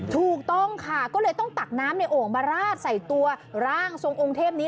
ถูกต้องค่ะก็เลยต้องตักน้ำในโอ่งมาราดใส่ตัวร่างทรงองค์เทพนี้